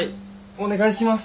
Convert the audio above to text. お願いします。